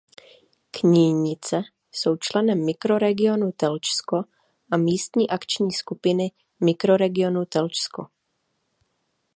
Knínice jsou členem Mikroregionu Telčsko a místní akční skupiny Mikroregionu Telčsko.